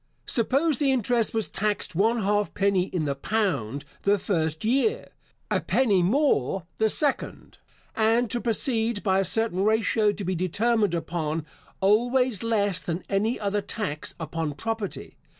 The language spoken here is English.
Suppose the interest was taxed one halfpenny in the pound the first year, a penny more the second, and to proceed by a certain ratio to be determined upon, always less than any other tax upon property.